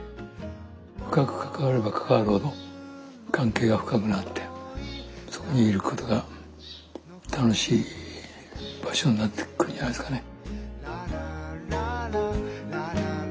深く関われば関わるほど関係が深くなってそこにいることが楽しい場所になっていくんじゃないですかね。